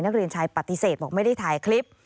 นักเรียนชายปฏิเสธบอกไม่ได้ถ่ายคลิป